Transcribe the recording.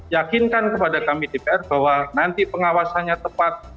yakinkan kepada kami dpr bahwa nanti pengawasannya tepat